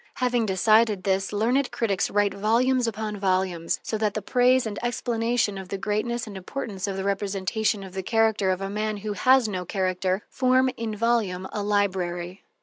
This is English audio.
Having decided this, learned critics write volumes upon volumes, so that the praise and explanation of the greatness and importance of the representation of the character of a man who has no character form in volume a library.